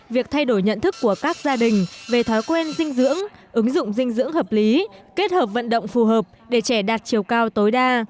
việc thay đổi nhận thức của các gia đình về thói quen dinh dưỡng ứng dụng dinh dưỡng hợp lý kết hợp vận động phù hợp để trẻ đạt chiều cao tối đa